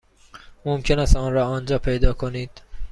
ممکن است آن را آنجا پیدا کنید.